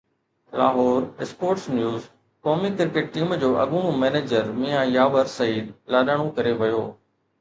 Lahore (sports news) قومي cricket team جو اڳوڻو مئنيجر ميان ياور سعيد لاڏاڻو ڪري ويو